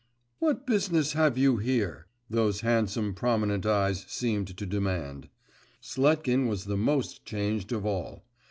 'What business have you here?' those handsome prominent eyes seemed to demand. Sletkin was the most changed of all.